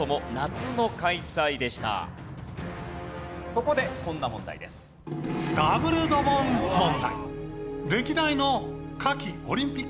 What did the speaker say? そこでこんな問題です。を選べ。